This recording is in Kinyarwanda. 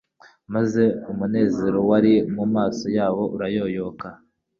maze umunezero wari mu maso yabo urayoyoka.